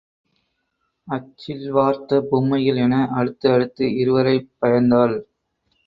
அச்சில் வார்த்த பொம்மைகள் என அடுத்து அடுத்து இருவரைப் பயந்தாள்.